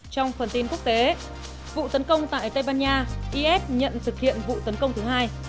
trong phần tin quốc tế vụ tấn công tại tây ban nha if nhận thực hiện vụ tấn công thứ hai